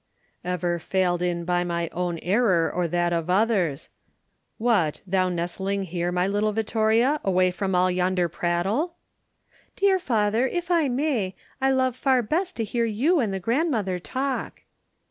"Ever failed in by my own error or that of others—What, thou nestling here, my little Vittoria, away from all yonder prattle?" "Dear father, if I may, I love far best to hear you and the grandmother talk."